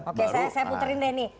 oke saya puterin deh nih